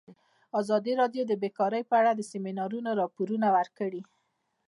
ازادي راډیو د بیکاري په اړه د سیمینارونو راپورونه ورکړي.